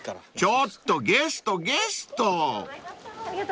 ［ちょっとゲストゲスト！］